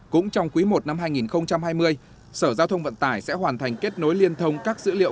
cũng trong quý i năm hai nghìn hai mươi sở giao thông vận tải sẽ hoàn thành kết nối liên thông các dữ liệu